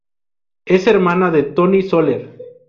Es hermana de Toni Soler.